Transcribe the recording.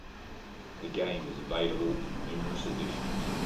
The game is available in numerous editions.